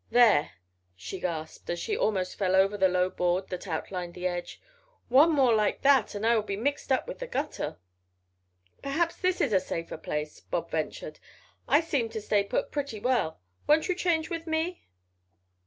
There!" she gasped, as she almost fell over the low board that outlined the edge, "one more like that, and I will be mixed up with the gutter." "Perhaps this is a safer place," Bob ventured. "I seem to stay put pretty well. Won't you change with me?"